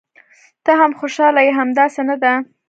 ته هم خوشاله یې، همداسې نه ده؟